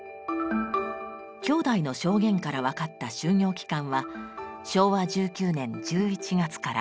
兄弟の証言から分かった就業期間は昭和１９年１１月から２０年９月まで。